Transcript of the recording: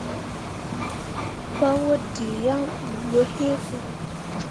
Paa waddǝǝ yaŋ bu yo hĩĩ ko.